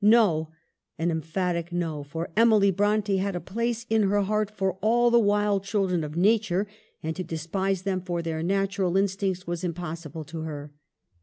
No ! An emphatic no ; for Emily Bronte had a place in her heart for all the wild children of nature, and to despise them for their natural instincts was impossible to her.